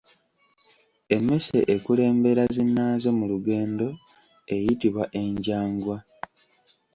Emmese ekulembera zinnaazo mu lugendo eyitibwa enjangwa.